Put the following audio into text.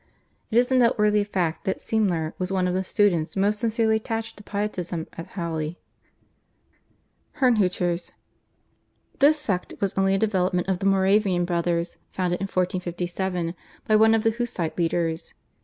It is a noteworthy fact that Semler was one of the students most sincerely attached to Pietism at Halle. /Herrnhuters/. This sect was only a development of the Moravian Brothers founded in 1457 by one of the Hussite leaders.